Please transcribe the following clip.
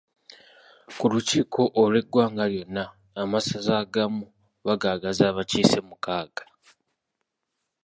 Ku lukiiko olw'eggwanga lyonna amasaza agamu bagagaza abakiise mukaaga.